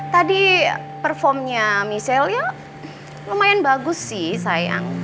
tadi perform nya michelle ya lumayan bagus sih sayang